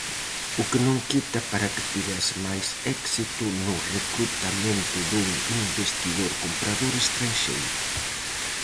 O que non quita para que tivese máis éxito no recrutamento dun investidor-comprador estranxeiro.